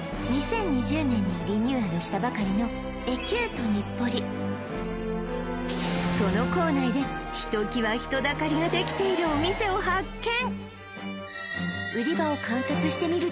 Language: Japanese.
２０２０年にリニューアルしたばかりのその構内でひときわ人だかりができているお店を発見！